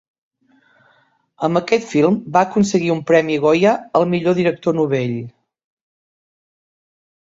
Amb aquest film va aconseguir un Premi Goya al millor director novell.